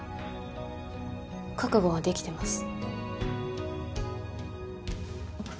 覚悟はできてます。